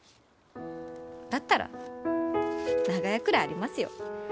だったら長屋くらいありますよ。